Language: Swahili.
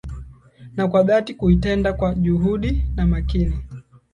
Na kwa dhati kuitenda, kwa juhudi na makini